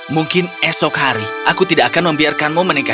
mungkin esok hari aku tidak akan membiarkanmu menikah